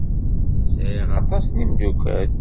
Sɛiɣ aṭas n yimeddukal.